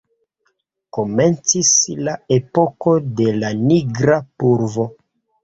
Komencis la epoko de la nigra pulvo.